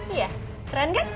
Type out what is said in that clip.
iya keren kan